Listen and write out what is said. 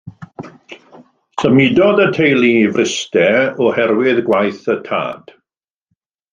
Symudodd y teulu i Fryste o herwydd gwaith y tad.